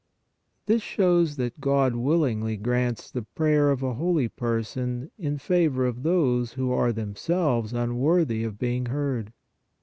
This shows that God willingly grants the prayer of a holy person in favor of those who are themselves unworthy of being heard.